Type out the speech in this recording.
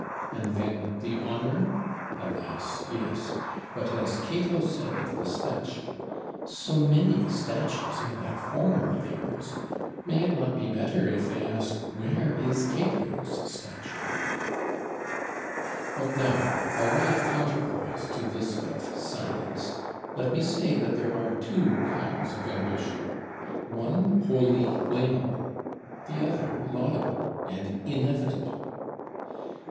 And then the 'honor'? Alas, yes; but as Cato said of the statue: So many statues in that Forum of yours, may it not be better if they ask, Where is Cato's statue?" But now, by way of counterpoise to this of Silence, let me say that there are two kinds of ambition: one wholly blamable, the other laudable and inevitable.